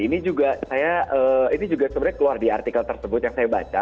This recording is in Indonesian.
ini juga saya ini juga sebenarnya keluar di artikel tersebut yang saya baca